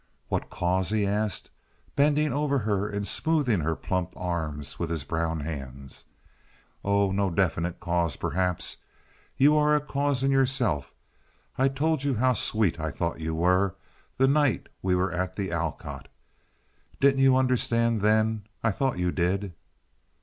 "What cause?" he asked, bending over her and smoothing her plump arms with his brown hands. "Oh, no definite cause, perhaps. You are a cause in yourself. I told you how sweet I thought you were, the night we were at the Alcott. Didn't you understand then? I thought you did."